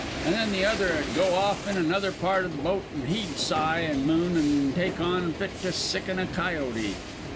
An' then the other 'ud go off in another part o' the boat an' he'd sigh an' moon an' take on fit to sicken a coyote.